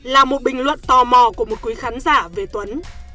là một bình luận tò mò của một quý khán giả về tuấn